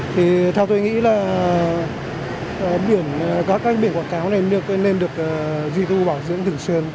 thì theo tôi nghĩ là các cái biển quảng cáo này nên được duy thu bảo dưỡng thường xuyên